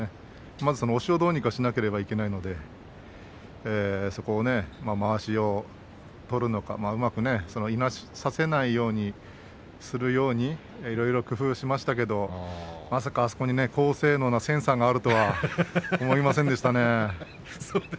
まず押しをどうにかしなきゃいけないのでそこはまわしを取るのかいなしをさせないようにいろいろ工夫しましたけれどもまさかあそこに高性能なセンサーがあるとは思いませんでしたね。